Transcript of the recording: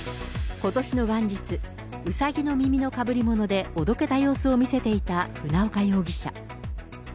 ことしの元日、うさぎの耳のかぶりものでおどけた様子を見せていた船岡容疑者。